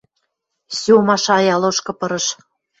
– Сёма шая лошкы пырыш.